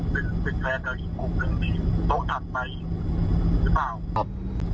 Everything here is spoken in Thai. ผู้ชายเขาก็หมุนสือกวดมาตีหัวน้องผม